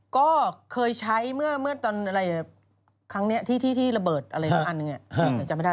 ก็เคยใช้เมื่อตอนอะไรครั้งนี้ที่ระเบิดอะไรสักอันนึงเนี่ย